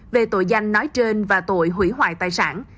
về tội danh nói trên và tội hủy hoại tài sản